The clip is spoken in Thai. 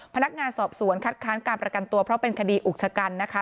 พนักงานสอบสวนคัดค้านการประกันตัวเพราะเป็นคดีอุกชะกันนะคะ